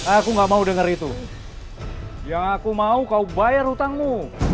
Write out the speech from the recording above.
aku gak mau dengar itu yang aku mau kau bayar hutangmu